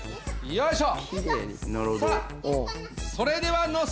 よいしょ。